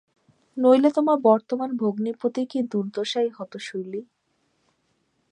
নইলে তোমার বর্তমান ভগ্নীপতির কী দুর্দশাই হত শৈল।